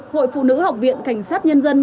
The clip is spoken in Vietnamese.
hội phụ nữ học viện cảnh sát nhân dân